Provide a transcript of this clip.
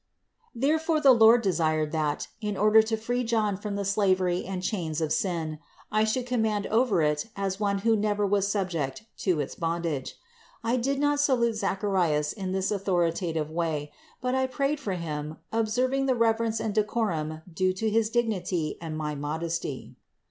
Therefore the Lord desired that, in order to free John from the slavery and chains of sin, I should command over it as one who never was subject to its bondage. I did not salute Zacharias in this authoritative way, but I prayed for him, observing the reverence and decorum due to his dignity and my modesty.